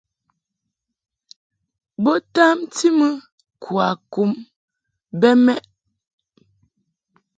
Bo tamti mɨ kwakum bɛ mɛʼ.